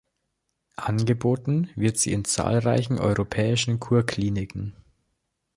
Angeboten wird sie in zahlreichen europäischen Kurkliniken.